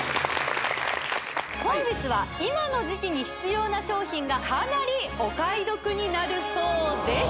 本日は今の時期に必要な商品がかなりお買い得になるそうです